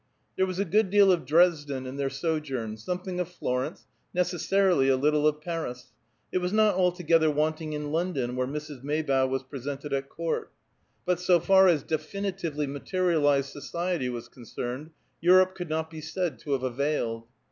There was a good deal of Dresden in their sojourn, something of Florence, necessarily a little of Paris; it was not altogether wanting in London, where Mrs. Maybough was presented at court. But so far as definitively materialized society was concerned, Europe could not be said to have availed.